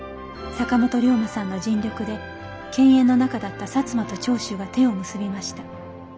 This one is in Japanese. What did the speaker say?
坂本龍馬さんの尽力で犬猿の仲だった摩と長州が手を結びました。